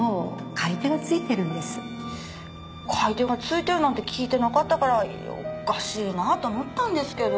買い手が付いてるなんて聞いてなかったからおかしいなと思ったんですけど。